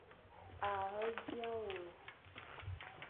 A he dia wule.